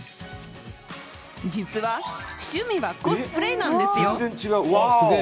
実は趣味はコスプレなんですよ。